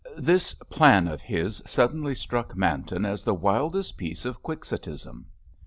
This plan of his suddenly struck Manton as the wildest piece of quixotism.